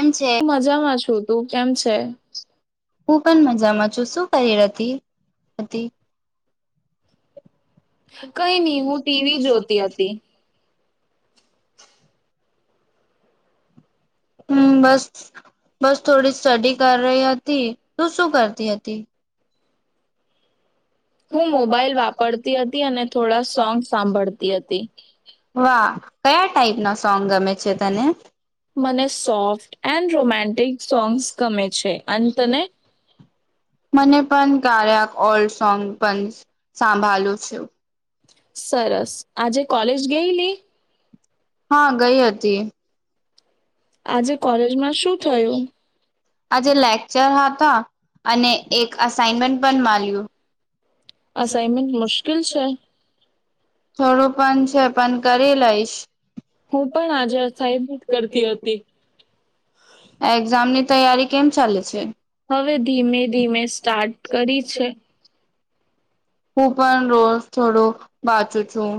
એમ છે હું પણ મજામાં છું શું કરીતી હતી કઈ નહી હું ટીવી જોતી હતી હમ બસ બસ થોડી સ્ટડી કર રહી હતી તું શું કરતી હતી હું મોબાઈલ વાપરતી હતી અને થોડા સોંગ સાંભળતી હતી કયા ટાઈપ ના સોંગ ગમે છે તને મને સોફ્ટ એન્ડ રોમેન્ટિક સોંગ્સ ગમે છે અને તને ગાયક ઓલ સોંગ પણ સાંભળો છ સરસ આજે કોલેજ ગયલીને હા ગઈ હતી આજે કોલેજમાં શું થયું આજે લેક્ચર હતા અને એક અસઇનમેન્ટ પણ માલ્યું અસાઇનમેન્ટ મુશ્કેલ છે થોડું પણ છે પણ કરી લઈશ હું પણ આજે અથાયિત કરતી હતી કેમ ચાલે છે હવે ધીમે ધીમે સ્ટાર્ટ કરી છે હું પણ રોજ થોડું વાચું છું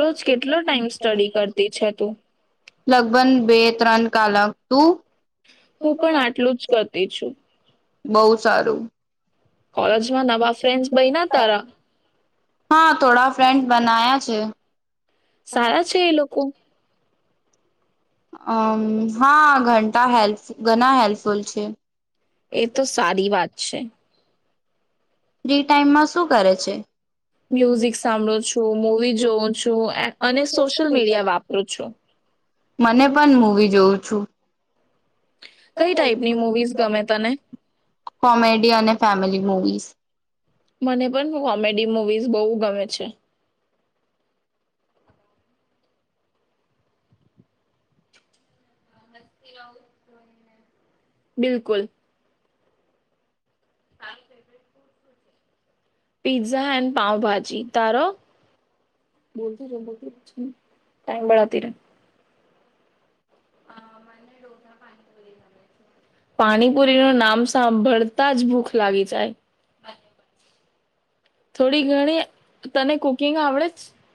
રોજ કેટલો ટાઈમ સ્ટડી કરતી છે તું લગભન બે ત્રણ કલક તું હું પણ આટલું જ કરતી છું બહ સારું કોલેજમાં નવા ફ્રેન્ડ બ ના તારા હા થોડા ફ્રેન્ડ બના્યા છે સારા છે એ લોકો અમ હા ઘટા હેલ્પ ઘણા હેલ્પફુલ છે એ તો સારી વાત છે ફ્રી ટાઈમમાં શું કરે છે મ્યુઝિક સાંભળું છું મવી જોઉં છું અને સોશિયલ મીડિયા વાપરું છું મને પણ મૂવી જોઉં છું કોમેડી અને ફેમિલી મૂવીઝ મને પણ કોમેડી મુવીઝ બહુ ગમે છે [unintelligible] બિલકુલ સા પીઝ્ઝા એન્ડ પાાવભાજી તારો ટમળતી હ મને ડો પાણીપુરી નું નામ સાંભળતા જ ભૂખ લાગી જાય થોડી ઘણી તને કુકિંગ આવડે જ